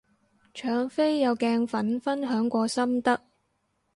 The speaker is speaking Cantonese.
搶飛有鏡粉分享過心得